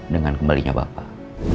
dengan kembalinya bapak